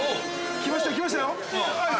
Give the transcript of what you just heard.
◆来ましたよ、来ましたよ。